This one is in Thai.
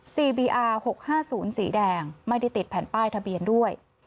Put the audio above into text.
ซีบีอาร์หกห้าศูนย์สีแดงไม่ได้ติดแผ่นป้ายทะเบียนด้วย